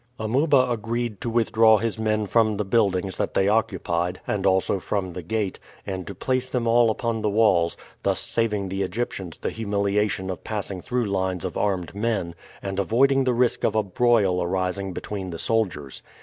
Amuba agreed to withdraw his men from the buildings that they occupied, and also from the gate, and to place them all upon the walls, thus saving the Egyptians the humiliation of passing through lines of armed men, and avoiding the risk of a broil arising between the soldiers.